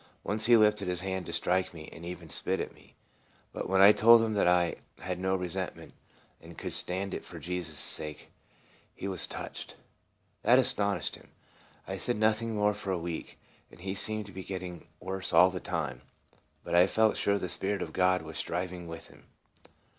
Once he lifted his hand to strike me, and even spit at me; but when I told him that I had no resentment, and could stand it for Jesus' sake, he was touched. That astonished him. I said noth ing more for a week, and he seemed to be getting worse all the time ; but I felt sure the Spirit of God was striving with him.